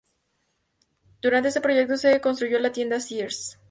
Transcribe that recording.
Durante este proyecto se construyó la tienda Sears.